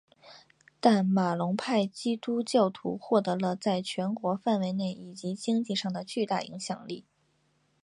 但马龙派基督教徒获得了在全国范围内以及经济上的巨大影响力。